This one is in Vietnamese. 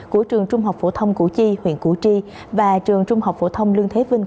của trường trung học phổ thông củ chi huyện củ chi và trường trung học phổ thông lương thế vinh